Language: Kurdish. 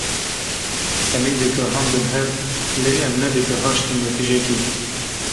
hemî digihandin hev lê em ne digihaştin netîcekê.